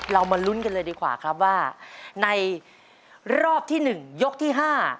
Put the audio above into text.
เรามาลุ้นกันเลยดีกว่าครับว่าในรอบที่หนึ่งยกที่ห้า